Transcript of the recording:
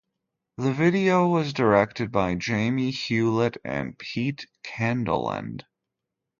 The video was directed by Jamie Hewlett and Pete Candeland.